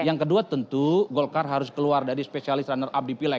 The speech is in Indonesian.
yang kedua tentu golkar harus keluar dari spesialis runner up di pileg